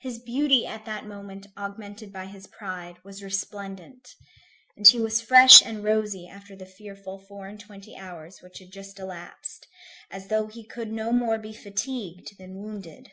His beauty, at that moment augmented by his pride, was resplendent, and he was fresh and rosy after the fearful four and twenty hours which had just elapsed, as though he could no more be fatigued than wounded.